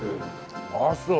ああそう。